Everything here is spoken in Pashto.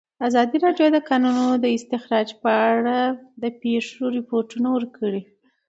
ازادي راډیو د د کانونو استخراج په اړه د پېښو رپوټونه ورکړي.